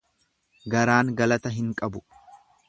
Garaan galata hin qabu.